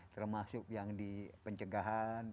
termasuk yang di pencegahan